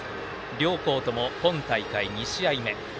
両校とも今大会２試合目。